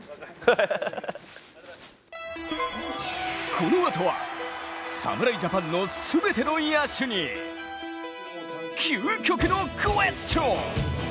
このあとは、侍ジャパンの全ての野手に究極のＱｕｅｓｔｉｏｎ。